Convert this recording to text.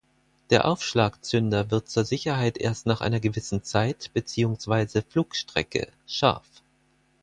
Der Aufschlagzünder wird zur Sicherheit erst nach einer gewissen Zeit beziehungsweise Flugstrecke scharf.